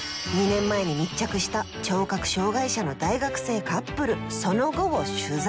２年前に密着した聴覚障がい者の大学生カップルその後を取材！